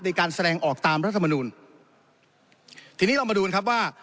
ในการแสดงออกตามรัฐมนูลทีนี้เรามาดูกันครับว่า